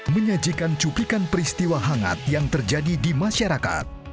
menyajikan cupikan peristiwa hangat yang terjadi di masyarakat